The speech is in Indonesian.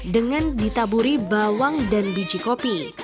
dengan ditaburi bawang dan biji kopi